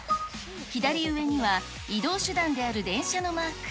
左上には移動手段である電車のマーク。